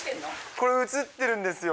これ映ってるんですよ。